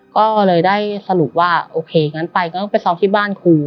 ก็เลยได้สรุปว่าโอเคงั้นไปก็ต้องไปซ้อมที่บ้านครู